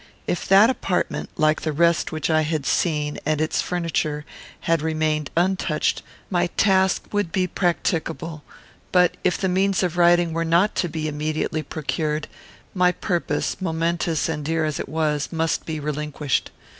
If that apartment, like the rest which I had seen, and its furniture, had remained untouched, my task would be practicable; but, if the means of writing were not to be immediately procured, my purpose, momentous and dear as it was, must be relinquished.